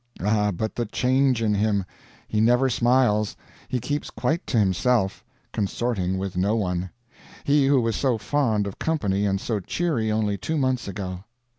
Ah, but the change in him! He never smiles, and he keeps quite to himself, consorting with no one he who was so fond of company and so cheery only two months ago.